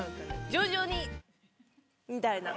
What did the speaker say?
徐々にみたいな。